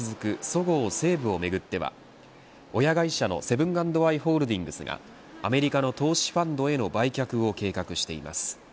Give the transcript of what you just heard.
業績不振が続くそごう・西武をめぐっては親会社のセブン＆アイ・ホールディングスがアメリカの投資ファンドへの売却を計画しています。